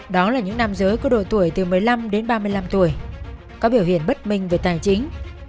đó là những nam giới có độ tuổi từ một mươi năm đến ba mươi năm tuổi có biểu hiện bất minh về tài chính